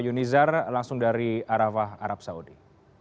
yunizar langsung dari arafah arab saudi